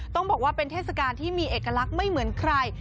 ต้องบอกว่าเป็นเทศกาลที่มีเอกลักษณ์ไม่เหมือนใคร